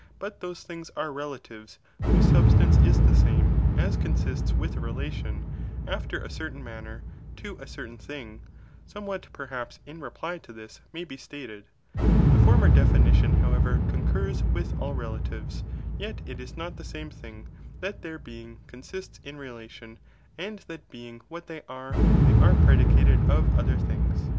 the definition haa not been sufficiently fi'amed, but those tilings kre relativeH, whose substance is the same, tia consists with a relation, after a certain manner, to a, certain thing Moiewhat, perhaps, in reply to this, may be stated. The fanner definition, however, concurs with all relatives, yet it b Dot the same thing, that their being, consists in relation, ud that being what they are, they are predicated j;. ona ren uf otber things.